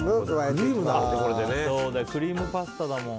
クリームパスタだもん。